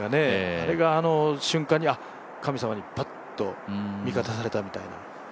あれが瞬間に、あっ、神様にパッと味方されたみたいな。